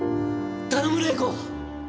頼む麗子！